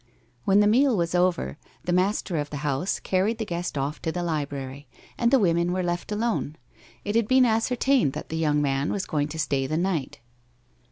When the meal was over, the master of the house car ried the guest off to the library, and the women were left alone. It had been ascertained that the young man was going to stay the night.